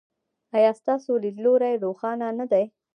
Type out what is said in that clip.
ایا ستاسو لید لوری روښانه نه دی؟